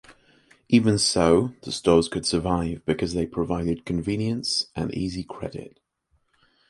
Even so, the stores could survive because they provided convenience and easy credit.